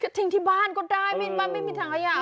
ทิ้งที่บ้านก็ได้บ้านไม่มีทางขยะ